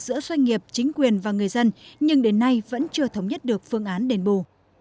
giữa doanh nghiệp chính quyền và người dân nhưng đến nay vẫn chưa thống nhất được phương án đền bù